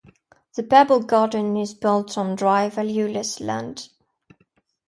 The Pebble Garden is built on dry valueless land.